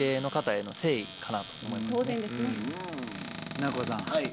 南光さん